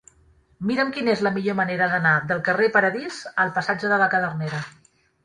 Mira'm quina és la millor manera d'anar del carrer del Paradís al passatge de la Cadernera.